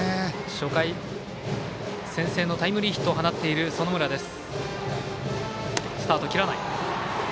初回、先制のタイムリーヒットを放っている園村です。